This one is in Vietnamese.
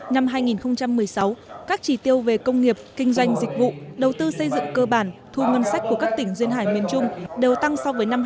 năm hai nghìn một mươi sáu các chỉ tiêu về công nghiệp kinh doanh dịch vụ đầu tư xây dựng cơ bản thu ngân sách của các tỉnh duyên hải miền trung đều tăng so với năm hai nghìn một mươi